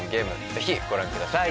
ぜひご覧ください